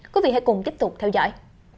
quý vị hãy cùng tiếp tục theo dõi